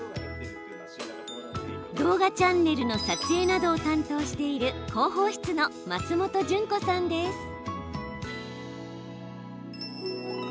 動画チャンネルの撮影などを担当している広報室の松本純子さんです。